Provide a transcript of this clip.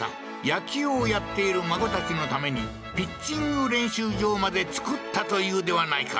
野球をやっている孫たちのためにピッチング練習場まで造ったというではないか